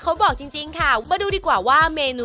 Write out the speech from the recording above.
เช่นอาชีพพายเรือขายก๋วยเตี๊ยว